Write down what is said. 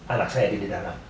anak saya didalem